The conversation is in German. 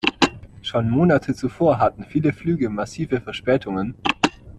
Schon Monate zuvor hatten viele Flüge massive Verspätungen.